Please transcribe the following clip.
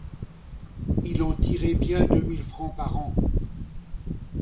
Il en tirait bien deux mille francs par an.